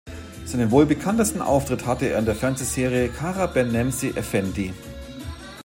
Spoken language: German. Seinen wohl bekanntesten Auftritt hatte er in der Fernsehserie "Kara Ben Nemsi Effendi".